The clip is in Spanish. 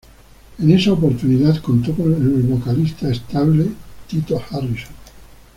En esa oportunidad contó con el vocalista estable Tito Harrison.